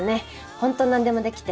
本当なんでもできて。